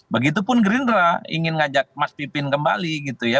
begitupun gerindra ingin ngajak mas pipin kembali gitu ya